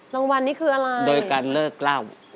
รางวัลนี้คืออะไรโดยการเลิกเล่า